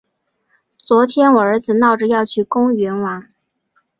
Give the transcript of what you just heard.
昨天我儿子闹着要去公园玩。